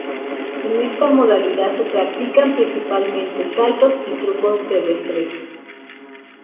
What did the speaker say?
En esta modalidad se practican principalmente saltos y trucos de destreza.